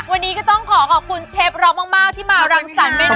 เฮ้กกี้ก็ต้องขอขอบคุณเชฟเรามากที่มาพรังสรรค์เมนู